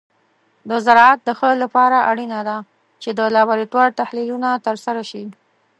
د زراعت د ښه لپاره اړینه ده چې د لابراتور تحلیلونه ترسره شي.